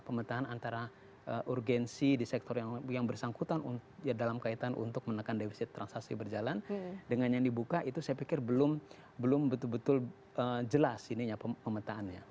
pemetaan antara urgensi di sektor yang bersangkutan dalam kaitan untuk menekan defisit transaksi berjalan dengan yang dibuka itu saya pikir belum betul betul jelas ininya pemetaannya